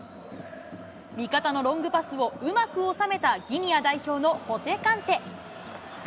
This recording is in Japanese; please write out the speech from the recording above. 味方のロングパスをうまく収めたギニア代表のホセ・カンテ。